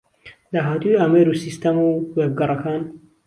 داهاتووی ئامێر و سیستەم و وێبگەڕەکان